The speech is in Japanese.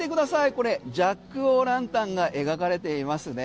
これジャック・オー・ランタンが描かれていますね。